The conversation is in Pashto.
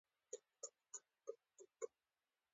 دا باور د پوهې له نشتوالي سرچینه اخلي.